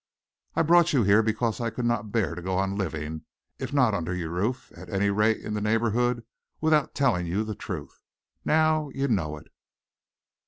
I brought you here because I could not bear to go on living, if not under your roof, at any rate in the neighbourhood, without telling you the truth. Now you know it.